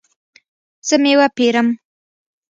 زه میوه پیرم